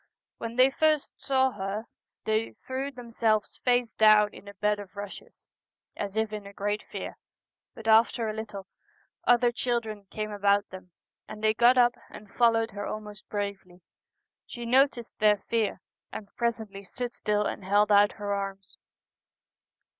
When they first saw her they 169 The threw themselves face down in a bed of Celtic Twilight, rushes, as if in a great fear ; but after a little other children came about them, and they got up and followed her almost bravely. She noticed their fear, and presently stood still and held out her arms.